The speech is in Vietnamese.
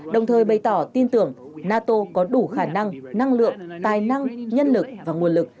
đồng thời bày tỏ tin tưởng nato có đủ khả năng năng lượng tài năng nhân lực và nguồn lực